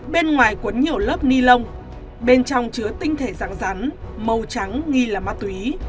bên ngoài quấn nhiều lớp ni lông bên trong chứa tinh thể rắn rắn màu trắng nghi là ma túy